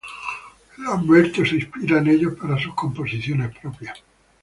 Lamberto se inspiraba en ellos para sus composiciones propias.